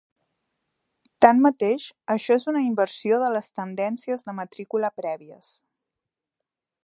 Tanmateix, això és una inversió de les tendències de matrícula prèvies.